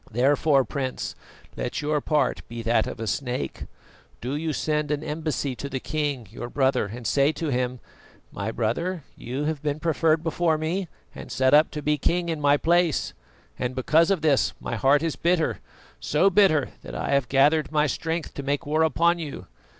Therefore, Prince, let your part be that of a snake. Do you send an embassy to the king, your brother and say to him: "'My brother, you have been preferred before me and set up to be king in my place, and because of this my heart is bitter, so bitter that I have gathered my strength to make war upon you.